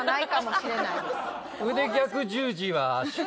腕逆十字は失敗。